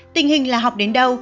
tình hình là học đến đâu